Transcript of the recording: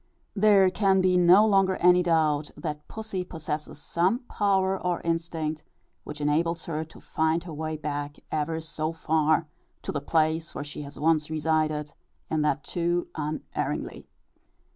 There can be no longer any doubt, that pussy possesses some power or instinct which enables her to find her way back, ever so far, to the place where she has once resided, and that too unerringly.